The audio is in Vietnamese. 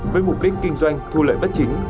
với mục đích kinh doanh thu lợi bất chính